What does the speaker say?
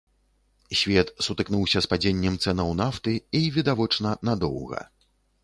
Свет сутыкнуўся з падзеннем цэнаў нафты, і, відавочна, надоўга.